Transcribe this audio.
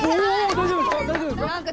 大丈夫ですか？